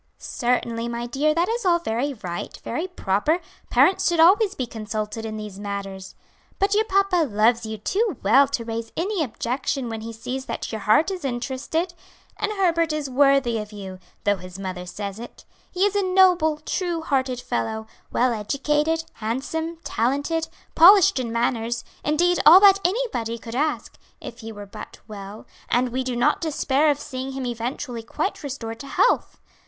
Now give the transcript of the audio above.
"Certainly, my dear, that is all very right, very proper; parents should always be consulted in these matters. But your papa loves you too well to raise any objection when he sees that your heart is interested. And Herbert is worthy of you, though his mother says it; he is a noble, true hearted fellow, well educated, handsome, talented, polished in manners, indeed all that anybody could ask, if he were but well; and we do not despair of seeing him eventually quite restored to health.